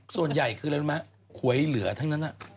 ส่วนใหญ่คืออะไรรู้ไหมหวยเหลือทั้งนั้น